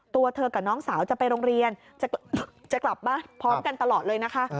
ตัวเธอกับน้องสาวจะไปโรงเรียนจะกลับบ้านพร้อมกันตลอดเลยนะคะ